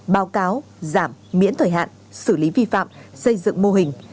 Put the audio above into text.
báo cáo giảm miễn thời hạn xử lý vi phạm xây dựng mô hình